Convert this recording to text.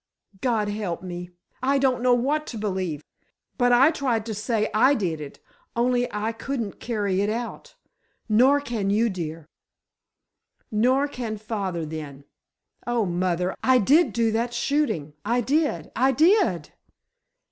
"God help me! I don't know what to believe! But I tried to say I did it—only I couldn't carry it out—nor can you, dear." "Nor can father, then. Oh, mother, I did do that shooting! I did! I did!"